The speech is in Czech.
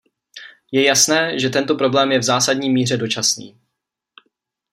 Je jasné, že tento problém je v zásadní míře dočasný.